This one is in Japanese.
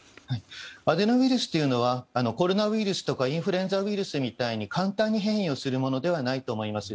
アデノウイルスというのはコロナウイルスとかインフルエンザウイルスみたいに簡単に変異をするものではないと思います。